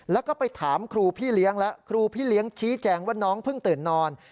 แล้วก็ไปถามครูพี่เลี้ยงแล้วครูพี่เลี้ยงชี้แจงว่าน้องเพิ่งตื่นนอน